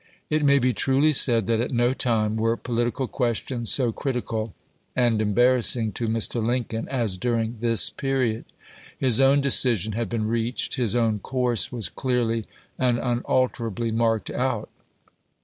It may be truly said that at no time were political questions so critical and embarrass ing to Mr. Lincoln as during this period. His own decision had been reached ; his own course was clearly and unalterably marked out.